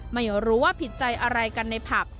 ไม่รู้ว่าผิดใจอะไรกันในผับ